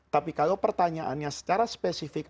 tapi kalau pertanyaannya secara spesifik